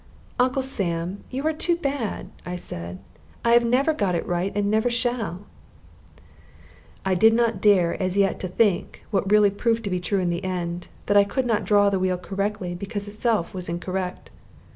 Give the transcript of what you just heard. "Uncle Sam, you are too bad," I said. "I have never got it right, and I never shall." I did not dare as yet to think what really proved to be true in the end that I could not draw the wheel correctly because itself was incorrect.